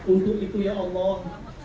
untuk itu ya allah